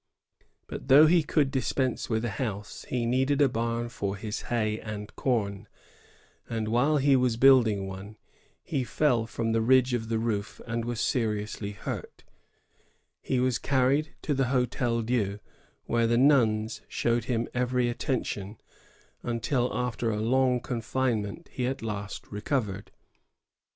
But though he could dispense with a house, he needed a bam for his hay and com ; and while he was building one, he fell from the ridge of the roof and was seriously hurt He was carried to the Hotel Dieu, where the nuns showed him eveiy attention, until, after a long con finement, he at last recovered.